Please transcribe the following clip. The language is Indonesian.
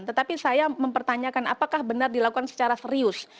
tetapi saya mempertanyakan apakah benar dilakukan secara serius